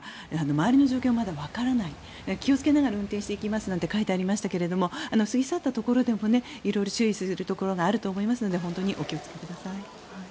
周りの状況はまだわからない気をつけながら運転しますって書いてありましたが過ぎ去ったところでも色々注意するところがあると思いますので本当にお気をつけください。